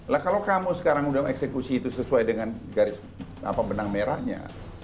lah kalau kamu sekarang udah eksekusi itu sesuai dengan garis benang merahnya